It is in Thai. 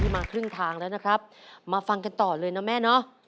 มาครึ่งทางแล้วนะครับมาฟังกันต่อเลยนะแม่เนาะ